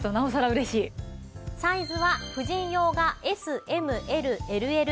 サイズは婦人用がＳＭＬＬＬ。